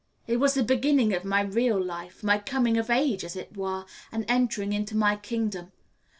It was the beginning of my real life, my coming of age as it were, and entering into my kingdom.